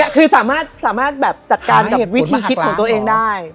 คือสามารถแบบจัดการเหตุวิธีคิดของตัวเองได้